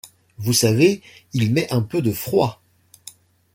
Vous savez, il met un peu de froid.